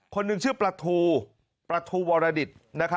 คนหนึ่งชื่อประทูประทูวรดิต